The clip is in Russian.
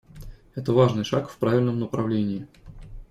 Это важный шаг в правильном направлении.